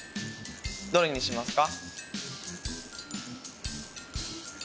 どれにしますか？